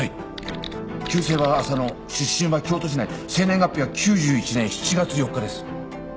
旧姓は浅野出身は京都市内生年月日は１９９１年７月４日です。